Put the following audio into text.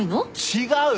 違う！